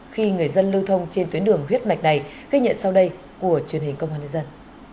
khi người dân lưu thông trên tuyến đường huyết mạch này ghi nhận sau đây của truyền hình công an nhân dân